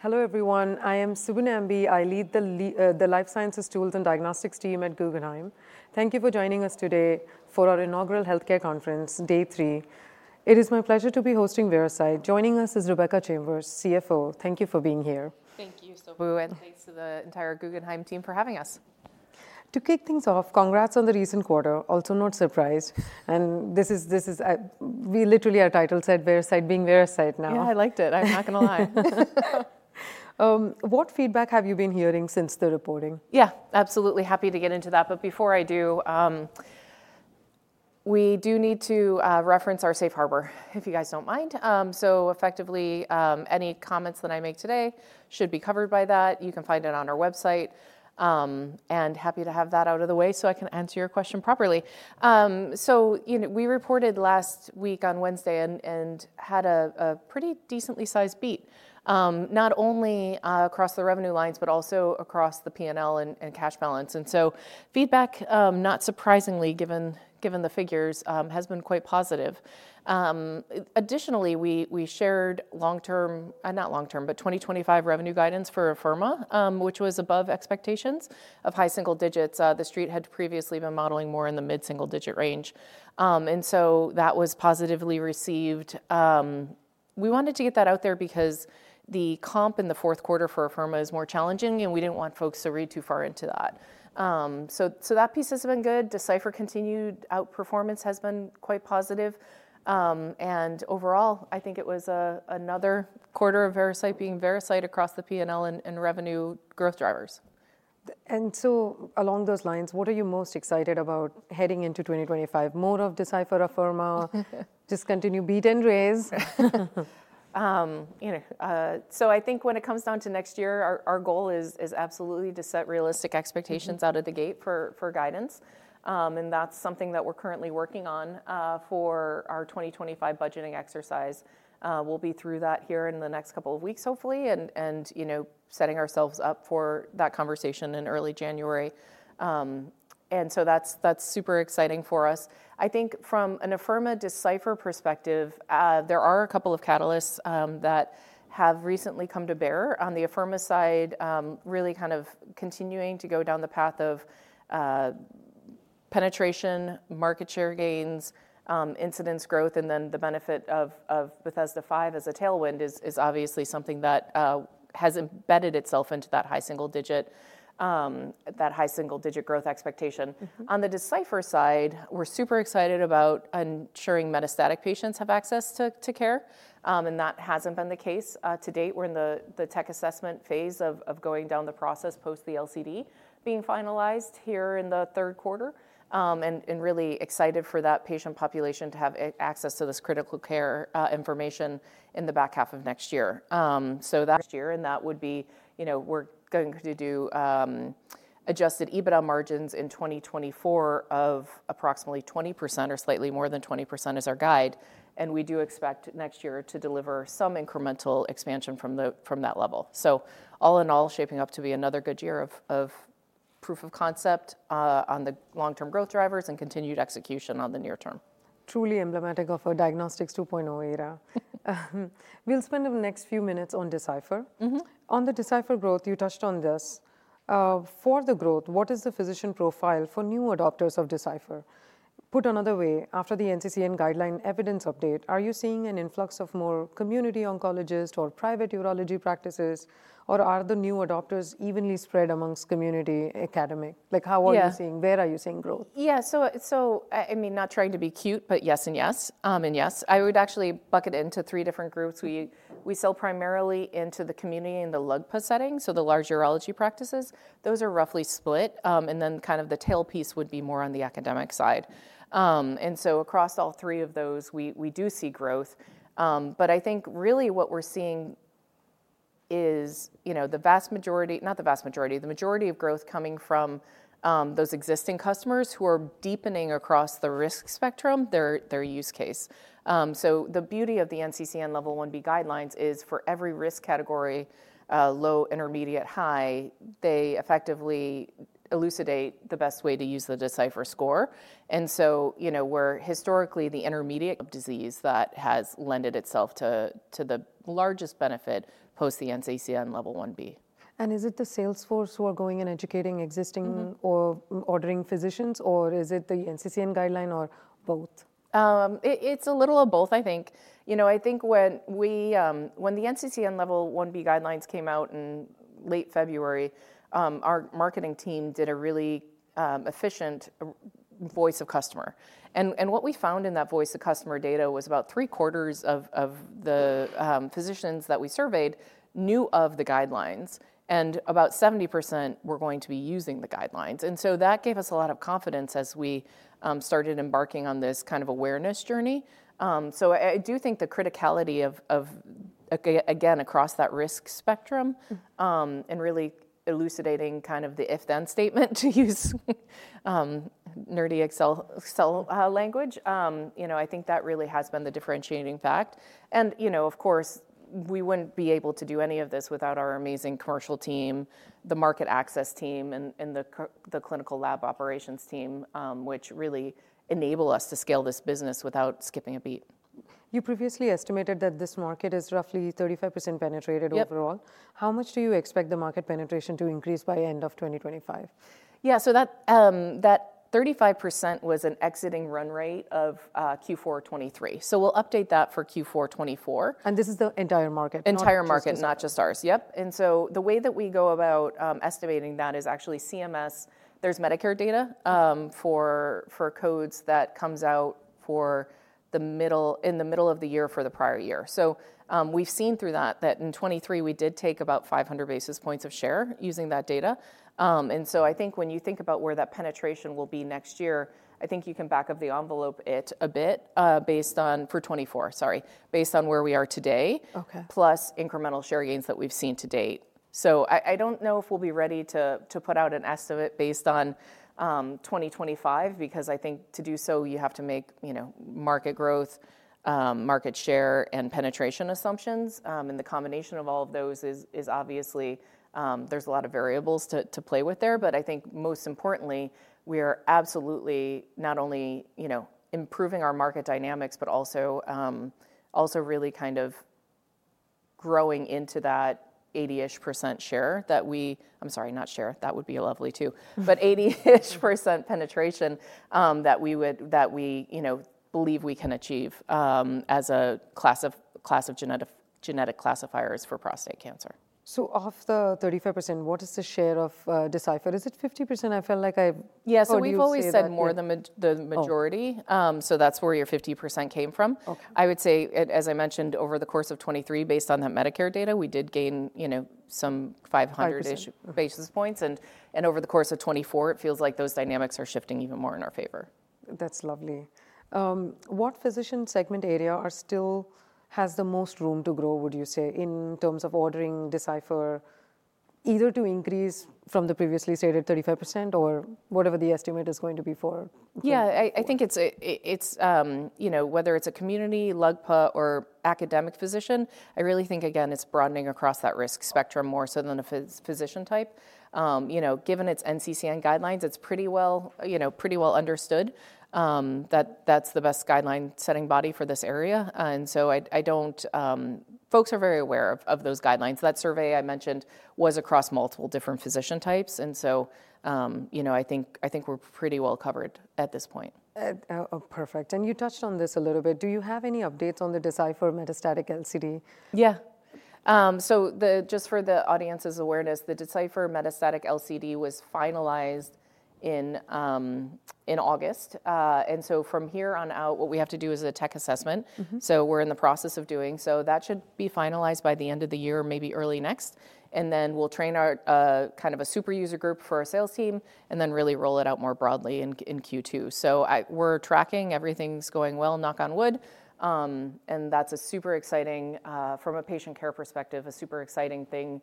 Hello, everyone. I am Subbu Nambi. I lead the Life Sciences, Tools, and Diagnostics team at Guggenheim. Thank you for joining us today for our inaugural health care conference, Day 3. It is my pleasure to be hosting Veracyte. Joining us is Rebecca Chambers, CFO. Thank you for being here. Thank you, Subbu. And thanks to the entire Guggenheim team for having us. To kick things off, congrats on the recent quarter, also not surprised. And this is, we literally, our title said Veracyte, being Veracyte now. Yeah, I liked it. I'm not going to lie. What feedback have you been hearing since the reporting? Yeah, absolutely happy to get into that. But before I do, we do need to reference our Safe Harbor, if you guys don't mind. So effectively, any comments that I make today should be covered by that. You can find it on our website, and happy to have that out of the way so I can answer your question properly. So we reported last week on Wednesday and had a pretty decently sized beat, not only across the revenue lines, but also across the P&L and cash balance, and so feedback, not surprisingly given the figures, has been quite positive. Additionally, we shared long-term, not long-term, but 2025 revenue guidance for Afirma, which was above expectations of high single digits. The Street had previously been modeling more in the mid-single digit range, and so that was positively received. We wanted to get that out there because the comp in the fourth quarter for Afirma is more challenging, and we didn't want folks to read too far into that. So that piece has been good. Decipher continued outperformance has been quite positive. And overall, I think it was another quarter of Veracyte being Veracyte across the P&L and revenue growth drivers. And so along those lines, what are you most excited about heading into 2025? More of Decipher, Afirma, just continue beat and raise? So I think when it comes down to next year, our goal is absolutely to set realistic expectations out of the gate for guidance. And that's something that we're currently working on for our 2025 budgeting exercise. We'll be through that here in the next couple of weeks, hopefully, and setting ourselves up for that conversation in early January. And so that's super exciting for us. I think from an Afirma Decipher perspective, there are a couple of catalysts that have recently come to bear on the Afirma side, really kind of continuing to go down the path of penetration, market share gains, incidence growth, and then the benefit of Bethesda V as a tailwind is obviously something that has embedded itself into that high single digit, that high single digit growth expectation. On the Decipher side, we're super excited about ensuring metastatic patients have access to care. That hasn't been the case to date. We're in the tech assessment phase of going down the process post the LCD being finalized here in the Q3. And really excited for that patient population to have access to this critical care information in the back half of next year. So that year. And that would be, we're going to do Adjusted EBITDA margins in 2024 of approximately 20% or slightly more than 20% is our guide. And we do expect next year to deliver some incremental expansion from that level. So all in all, shaping up to be another good year of proof of concept on the long-term growth drivers and continued execution on the near term. Truly emblematic of a diagnostics 2.0 era. We'll spend the next few minutes on Decipher. On the Decipher growth, you touched on this. For the growth, what is the physician profile for new adopters of Decipher? Put another way, after the NCCN guideline evidence update, are you seeing an influx of more community oncologists or private urology practices? Or are the new adopters evenly spread among community, academic? Like, how are you seeing, where are you seeing growth? Yeah, so I mean, not trying to be cute, but yes and yes and yes. I would actually bucket it into three different groups. We sell primarily into the community and the LUGPA setting, so the large urology practices. Those are roughly split, and then kind of the tailpiece would be more on the academic side. And so across all three of those, we do see growth, but I think really what we're seeing is the vast majority, not the vast majority, the majority of growth coming from those existing customers who are deepening across the risk spectrum, their use case. So the beauty of the NCCN Level 1B guidelines is for every risk category, low, intermediate, high, they effectively elucidate the best way to use the Decipher score. And so we're historically the intermediate disease that has lended itself to the largest benefit post the NCCN Level 1B. Is it the sales force who are going and educating existing or ordering physicians, or is it the NCCN guideline or both? It's a little of both, I think. I think when the NCCN Level 1B guidelines came out in late February, our marketing team did a really efficient voice of customer, and what we found in that voice of customer data was about three quarters of the physicians that we surveyed knew of the guidelines, and about 70% were going to be using the guidelines, and so that gave us a lot of confidence as we started embarking on this kind of awareness journey, so I do think the criticality of, again, across that risk spectrum and really elucidating kind of the if-then statement, to use nerdy Excel language, I think that really has been the differentiating factor. And of course, we wouldn't be able to do any of this without our amazing commercial team, the market access team, and the clinical lab operations team, which really enable us to scale this business without skipping a beat. You previously estimated that this market is roughly 35% penetrated overall. How much do you expect the market penetration to increase by end of 2025? Yeah, so that 35% was an exit run rate of Q4 2023. So we'll update that for Q4 2024. This is the entire market? Entire market, not just ours. Yep. And so the way that we go about estimating that is actually CMS. There's Medicare data for codes that comes out in the middle of the year for the prior year. So we've seen through that that in 2023, we did take about 500 basis points of share using that data. And so I think when you think about where that penetration will be next year, I think you can back of the envelope it a bit based on for 2024, sorry, based on where we are today, plus incremental share gains that we've seen to date. So I don't know if we'll be ready to put out an estimate based on 2025, because I think to do so, you have to make market growth, market share, and penetration assumptions. The combination of all of those is obviously there's a lot of variables to play with there. But I think most importantly, we are absolutely not only improving our market dynamics, but also really kind of growing into that 80-ish% share that we I'm sorry, not share. That would be a lovely two. But 80-ish% penetration that we believe we can achieve as a class of genetic classifiers for prostate cancer. So of the 35%, what is the share of Decipher? Is it 50%? I feel like I've heard you say. Yeah, so we've always said more than the majority. So that's where your 50% came from. I would say, as I mentioned, over the course of 2023, based on that Medicare data, we did gain some 500-ish basis points. And over the course of 2024, it feels like those dynamics are shifting even more in our favor. That's lovely. What physician segment area still has the most room to grow, would you say, in terms of ordering Decipher, either to increase from the previously stated 35% or whatever the estimate is going to be for? Yeah, I think it's whether it's a community, LUGPA, or academic physician, I really think, again, it's broadening across that risk spectrum more so than a physician type. Given its NCCN guidelines, it's pretty well understood that that's the best guideline-setting body for this area. And so folks are very aware of those guidelines. That survey I mentioned was across multiple different physician types. And so I think we're pretty well covered at this point. Perfect. And you touched on this a little bit. Do you have any updates on the Decipher metastatic LCD? Yeah. So just for the audience's awareness, the Decipher metastatic LCD was finalized in August. And so from here on out, what we have to do is a tech assessment. So we're in the process of doing. So that should be finalized by the end of the year, maybe early next. And then we'll train kind of a super user group for our sales team and then really roll it out more broadly in Q2. So we're tracking everything's going well, knock on wood. And that's a super exciting, from a patient care perspective, a super exciting thing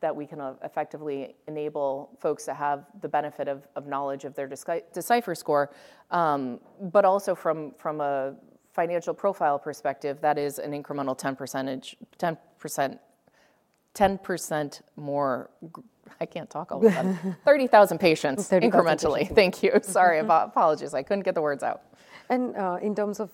that we can effectively enable folks to have the benefit of knowledge of their Decipher score. But also from a financial profile perspective, that is an incremental 10%, 10% more. I can't talk all the time. 30,000 patients incrementally. Thank you. Sorry. Apologies. I couldn't get the words out. In terms of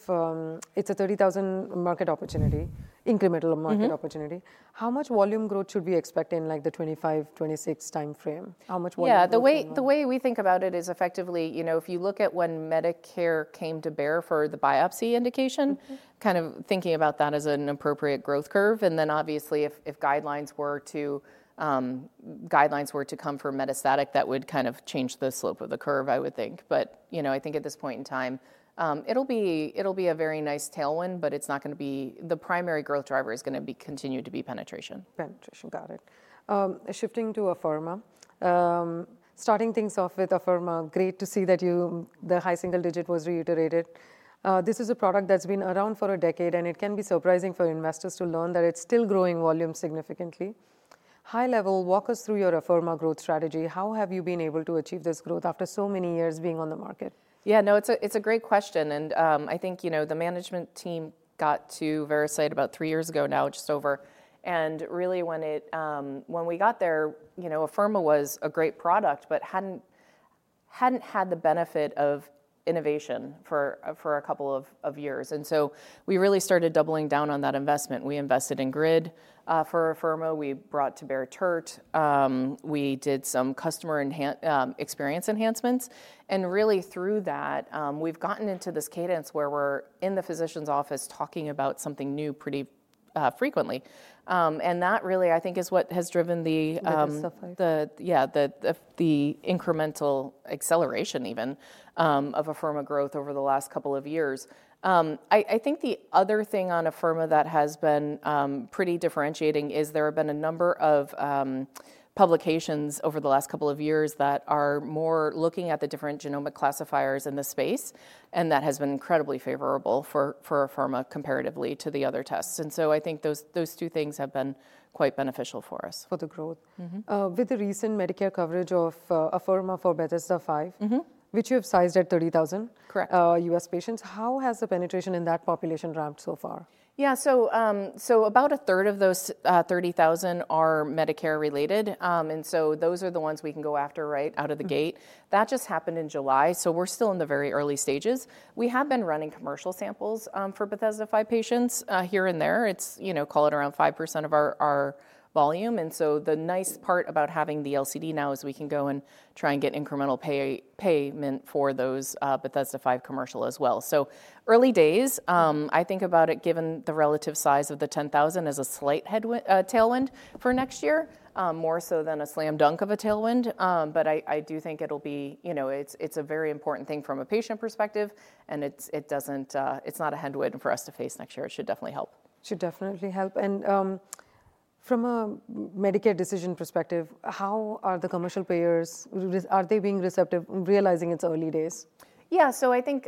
it's a $30,000 market opportunity, incremental market opportunity, how much volume growth should we expect in like the 2025, 2026 time frame? How much volume growth? Yeah, the way we think about it is effectively, if you look at when Medicare came to bear for the biopsy indication, kind of thinking about that as an appropriate growth curve. And then obviously, if guidelines were to come for metastatic, that would kind of change the slope of the curve, I would think. But I think at this point in time, it'll be a very nice tailwind, but it's not going to be the primary growth driver is going to continue to be penetration. Penetration. Got it. Shifting to Afirma. Starting things off with Afirma, great to see that the high single digit was reiterated. This is a product that's been around for a decade, and it can be surprising for investors to learn that it's still growing volume significantly. High level, walk us through your Afirma growth strategy. How have you been able to achieve this growth after so many years being on the market? Yeah, no, it's a great question. And I think the management team got to Veracyte about three years ago now, just over. And really when we got there, Afirma was a great product, but hadn't had the benefit of innovation for a couple of years. And so we really started doubling down on that investment. We invested in GRID for Afirma. We brought to bear TERT. We did some customer experience enhancements. And really through that, we've gotten into this cadence where we're in the physician's office talking about something new pretty frequently. And that really, I think, is what has driven the, the incremental acceleration even of Afirma growth over the last couple of years. I think the other thing on Afirma that has been pretty differentiating is there have been a number of publications over the last couple of years that are more looking at the different genomic classifiers in the space, and that has been incredibly favorable for Afirma comparatively to the other tests, and so I think those two things have been quite beneficial for us. For the growth. With the recent Medicare coverage of Afirma for Bethesda V, which you have sized at 30,000 US patients, how has the penetration in that population ramped so far? Yeah, so about a third of those 30,000 are Medicare related. And so those are the ones we can go after right out of the gate. That just happened in July. So we're still in the very early stages. We have been running commercial samples for Bethesda V patients here and there. It's call it around 5% of our volume. And so the nice part about having the LCD now is we can go and try and get incremental payment for those Bethesda V commercial as well. So early days, I think about it given the relative size of the 10,000 as a slight tailwind for next year, more so than a slam dunk of a tailwind. But I do think it'll be. It's a very important thing from a patient perspective. And it's not a headwind for us to face next year. It should definitely help. Should definitely help. And from a Medicare decision perspective, how are the commercial payers? Are they being receptive, realizing it's early days? Yeah, so I think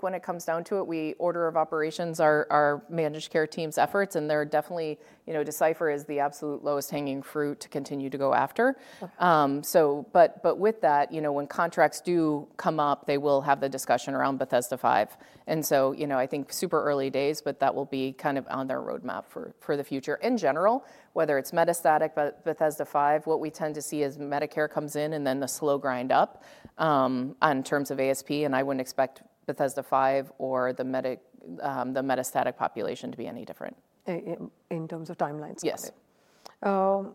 when it comes down to it, our order of operations are managed care teams' efforts. And definitely, Decipher is the absolute lowest hanging fruit to continue to go after. But with that, when contracts do come up, they will have the discussion around Bethesda V. And so I think super early days, but that will be kind of on their roadmap for the future. In general, whether it's metastatic, Bethesda V, what we tend to see is Medicare comes in and then the slow grind up in terms of ASP. And I wouldn't expect Bethesda V or the metastatic population to be any different. In terms of timelines. Yes.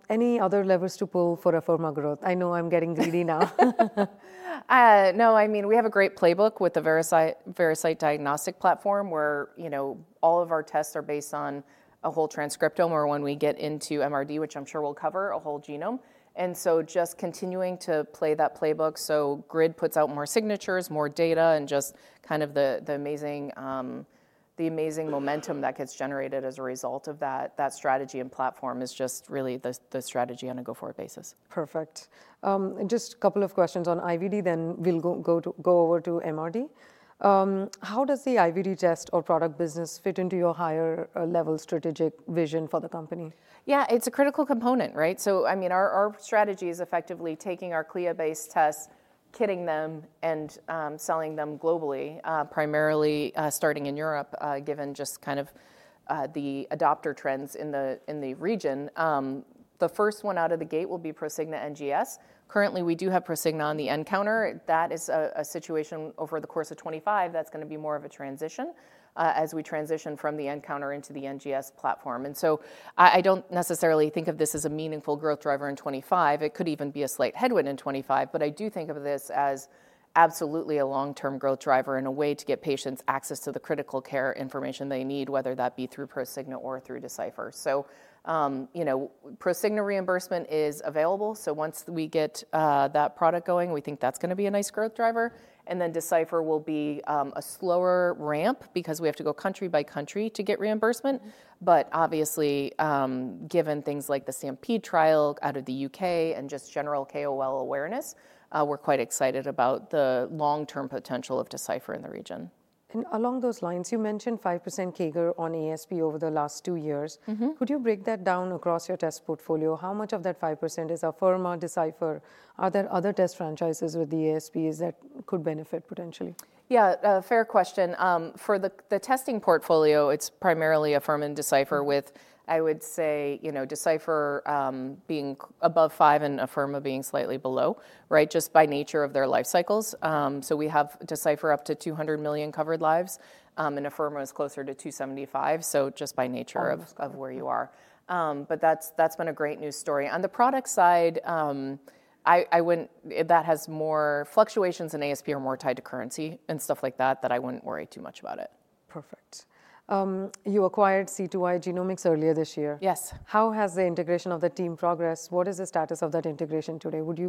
Any other levers to pull for Afirma growth? I know I'm getting greedy now. No, I mean, we have a great playbook with the Veracyte Diagnostic Platform, where all of our tests are based on a whole transcriptome or when we get into MRD, which I'm sure we'll cover, a whole genome, and so just continuing to play that playbook. So GRID puts out more signatures, more data, and just kind of the amazing momentum that gets generated as a result of that strategy and platform is just really the strategy on a go-forward basis. Perfect. Just a couple of questions on IVD, then we'll go over to MRD. How does the IVD test or product business fit into your higher-level strategic vision for the company? Yeah, it's a critical component, right? So I mean, our strategy is effectively taking our CLIA-based tests, kitting them, and selling them globally, primarily starting in Europe, given just kind of the adopter trends in the region. The first one out of the gate will be Prosigna NGS. Currently, we do have Prosigna on the nCounter. That is a situation over the course of 2025 that's going to be more of a transition as we transition from the nCounter into the NGS platform. And so I don't necessarily think of this as a meaningful growth driver in 2025. It could even be a slight headwind in 2025. But I do think of this as absolutely a long-term growth driver in a way to get patients access to the critical care information they need, whether that be through Prosigna or through Decipher. So Prosigna reimbursement is available. Once we get that product going, we think that's going to be a nice growth driver. Decipher will be a slower ramp because we have to go country by country to get reimbursement. Obviously, given things like the STAMPEDE trial out of the UK and just general KOL awareness, we're quite excited about the long-term potential of Decipher in the region. Along those lines, you mentioned 5% CAGR on ASP over the last two years. Could you break that down across your test portfolio? How much of that 5% is Afirma, Decipher? Are there other test franchises with the ASPs that could benefit potentially? Yeah, fair question. For the testing portfolio, it's primarily Afirma and Decipher with, I would say, Decipher being above five and Afirma being slightly below, right, just by nature of their life cycles. So we have Decipher up to 200 million covered lives. And Afirma is closer to 275, so just by nature of where you are. But that's been a great news story. On the product side, that has more fluctuations in ASP are more tied to currency and stuff like that that I wouldn't worry too much about it. Perfect. You acquired C2i Genomics earlier this year. Yes. How has the integration of the team progressed? What is the status of that integration today? Would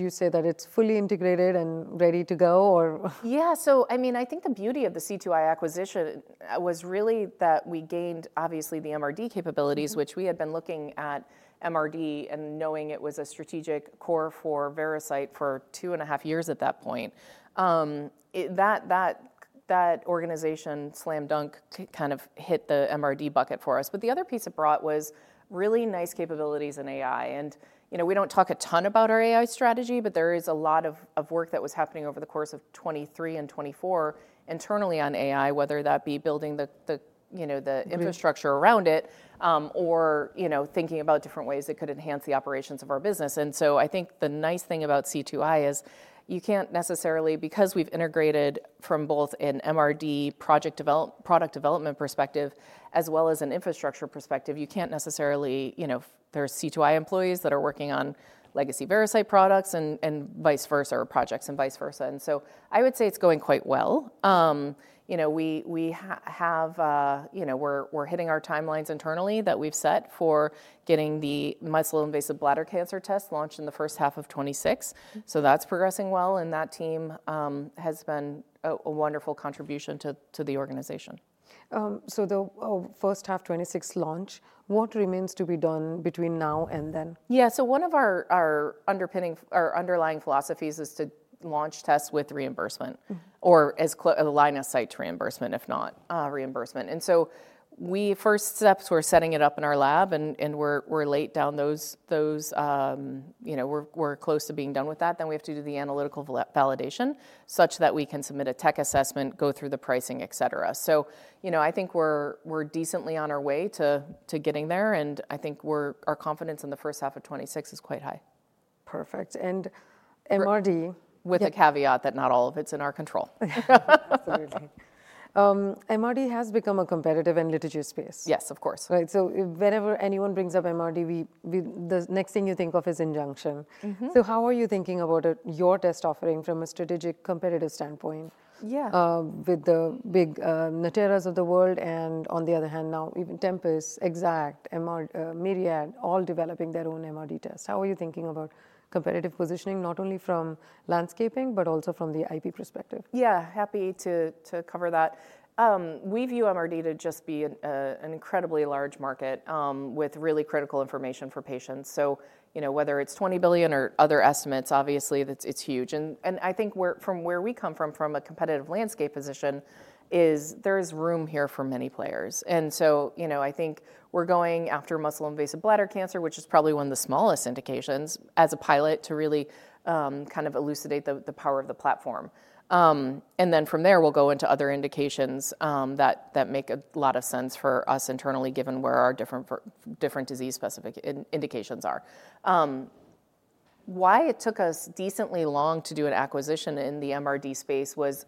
you say that it's fully integrated and ready to go, or? Yeah, so I mean, I think the beauty of the C2I acquisition was really that we gained, obviously, the MRD capabilities, which we had been looking at MRD and knowing it was a strategic core for Veracyte for two and a half years at that point. That organization slam dunk kind of hit the MRD bucket for us. But the other piece it brought was really nice capabilities in AI. And we don't talk a ton about our AI strategy, but there is a lot of work that was happening over the course of 2023 and 2024 internally on AI, whether that be building the infrastructure around it or thinking about different ways it could enhance the operations of our business. And so I think the nice thing about C2i is you can't necessarily, because we've integrated from both an MRD product development perspective as well as an infrastructure perspective, you can't necessarily there's C2i employees that are working on legacy Veracyte products and vice versa, or projects and vice versa. And so I would say it's going quite well. We're hitting our timelines internally that we've set for getting the muscle-invasive bladder cancer test launched in the H1 of 2026. So that's progressing well. And that team has been a wonderful contribution to the organization. So the H1 2026 launch, what remains to be done between now and then? Yeah, so one of our underlying philosophies is to launch tests with reimbursement or line of sight reimbursement, if not reimbursement. And so first steps, we're setting it up in our lab. And we're laying down those. We're close to being done with that. Then we have to do the analytical validation such that we can submit a tech assessment, go through the pricing, et cetera. So I think we're decently on our way to getting there. And I think our confidence in the H1 of 2026 is quite high. Perfect. And MRD. With the caveat that not all of it's in our control. Absolutely. MRD has become a competitive and litigious space. Yes, of course. Right. So whenever anyone brings up MRD, the next thing you think of is injunction. So how are you thinking about your test offering from a strategic competitive standpoint with the big Natera’s of the world? And on the other hand, now even Tempus, Exact, Myriad, all developing their own MRD tests. How are you thinking about competitive positioning, not only from landscape, but also from the IP perspective? Yeah, happy to cover that. We view MRD to just be an incredibly large market with really critical information for patients. So whether it's $20 billion or other estimates, obviously, it's huge. I think from where we come from, from a competitive landscape position, there is room here for many players. So I think we're going after muscle-invasive bladder cancer, which is probably one of the smallest indications as a pilot to really kind of elucidate the power of the platform. Then from there, we'll go into other indications that make a lot of sense for us internally, given where our different disease specific indications are. Why it took us decently long to do an acquisition in the MRD space was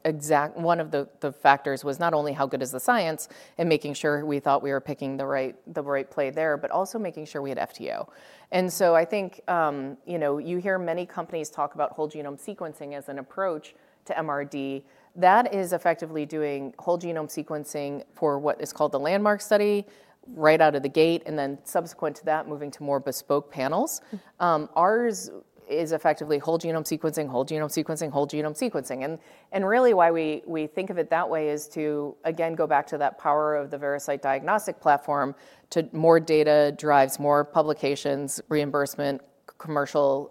one of the factors was not only how good is the science and making sure we thought we were picking the right play there, but also making sure we had FTO. And so I think you hear many companies talk about whole genome sequencing as an approach to MRD. That is effectively doing whole genome sequencing for what is called the landmark study right out of the gate, and then subsequent to that, moving to more bespoke panels. Ours is effectively whole genome sequencing, whole genome sequencing, whole genome sequencing. And really why we think of it that way is to, again, go back to that power of the Veracyte Diagnostic Platform to more data, drives more publications, reimbursement, commercial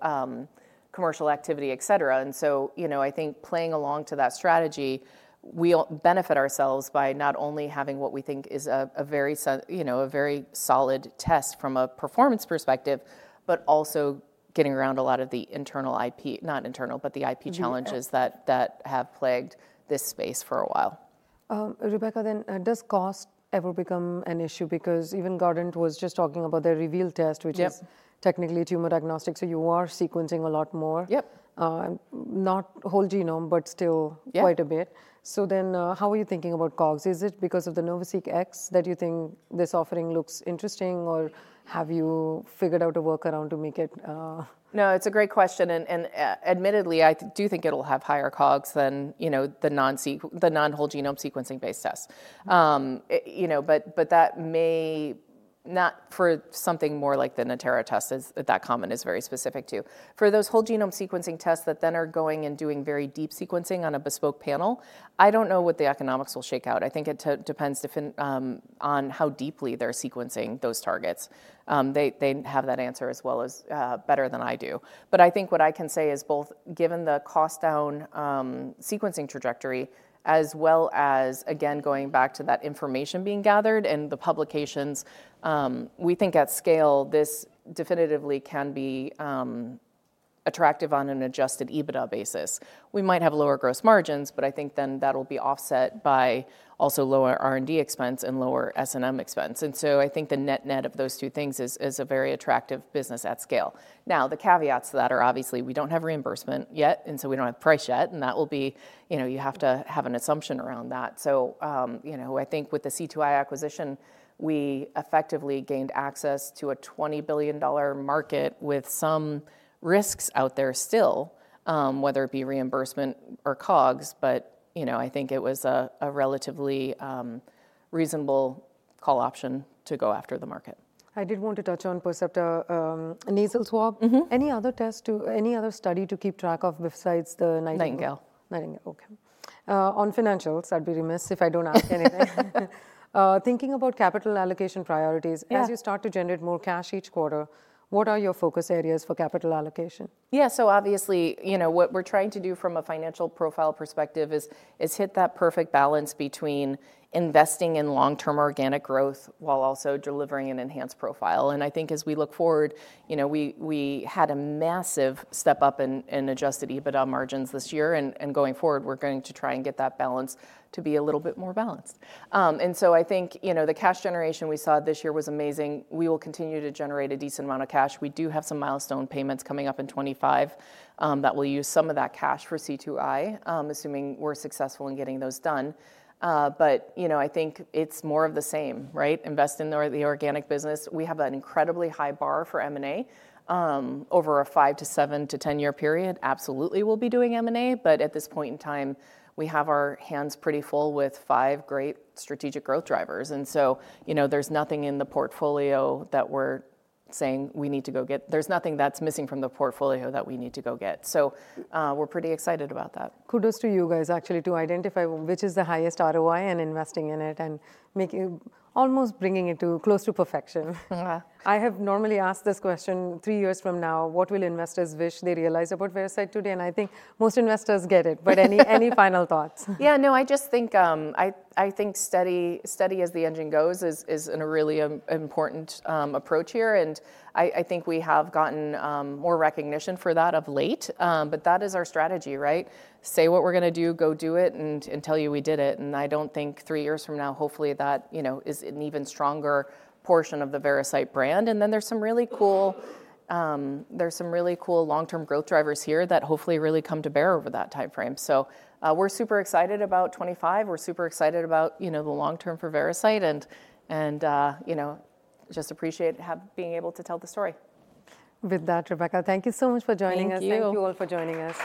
activity, et cetera. And so I think playing along to that strategy, we benefit ourselves by not only having what we think is a very solid test from a performance perspective, but also getting around a lot of the internal IP, not internal, but the IP challenges that have plagued this space for a while. Rebecca, then does cost ever become an issue? Because even Guardant was just talking about their Reveal test, which is technically a tumor diagnostic. So you are sequencing a lot more, not whole genome, but still quite a bit. So then how are you thinking about COGS? Is it because of the NovaSeq X that you think this offering looks interesting, or have you figured out a workaround to make it? No, it's a great question, and admittedly, I do think it'll have higher COGS than the non-whole genome sequencing-based test, but that may not for something more like the Natera test that Common is very specific to. For those whole genome sequencing tests that then are going and doing very deep sequencing on a bespoke panel, I don't know what the economics will shake out. I think it depends on how deeply they're sequencing those targets. They have that answer as well as better than I do, but I think what I can say is both given the cost down sequencing trajectory, as well as, again, going back to that information being gathered and the publications, we think at scale, this definitively can be attractive on an Adjusted EBITDA basis. We might have lower gross margins, but I think then that'll be offset by also lower R&D expense and lower S&M expense. And so I think the net-net of those two things is a very attractive business at scale. Now, the caveats to that are obviously we don't have reimbursement yet, and so we don't have price yet. And that will be you have to have an assumption around that. So I think with the C2i acquisition, we effectively gained access to a $20 billion market with some risks out there still, whether it be reimbursement or COGS. But I think it was a relatively reasonable call option to go after the market. I did want to touch on Percepta Nasal Swab. Any other test to any other study to keep track of besides the NIGHTINGALE? NIGHTINGALE. Nightingale. Okay. On financials, I'd be remiss if I don't ask anything. Thinking about capital allocation priorities, as you start to generate more cash each quarter, what are your focus areas for capital allocation? Yeah, so obviously, what we're trying to do from a financial profile perspective is hit that perfect balance between investing in long-term organic growth while also delivering an enhanced profile. And I think as we look forward, we had a massive step up in Adjusted EBITDA margins this year. And going forward, we're going to try and get that balance to be a little bit more balanced. And so I think the cash generation we saw this year was amazing. We will continue to generate a decent amount of cash. We do have some milestone payments coming up in 2025 that will use some of that cash for C2i, assuming we're successful in getting those done. But I think it's more of the same, right? Invest in the organic business. We have an incredibly high bar for M&A over a five to seven to 10 year period. Absolutely, we'll be doing M&A, but at this point in time, we have our hands pretty full with five great strategic growth drivers, and so there's nothing in the portfolio that we're saying we need to go get. There's nothing that's missing from the portfolio that we need to go get, so we're pretty excited about that. Kudos to you guys, actually, to identify which is the highest ROI and investing in it and almost bringing it close to perfection. I have normally asked this question three years from now, what will investors wish they realized about Veracyte today? And I think most investors get it. But any final thoughts? Yeah, no, I just think study as the engine goes is really an important approach here. And I think we have gotten more recognition for that of late. But that is our strategy, right? Say what we're going to do, go do it, and tell you we did it. And I don't think three years from now, hopefully, that is an even stronger portion of the Veracyte brand. And then there's some really cool long-term growth drivers here that hopefully really come to bear over that time frame. So we're super excited about 2025. We're super excited about the long term for Veracyte. And just appreciate being able to tell the story. With that, Rebecca, thank you so much for joining us. Thank you. Thank you all for joining us.